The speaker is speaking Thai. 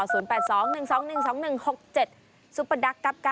ซุปเปอร์ดัคกล้าบ